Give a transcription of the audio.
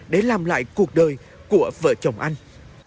để làm lại cuộc đời của vợ chồng anh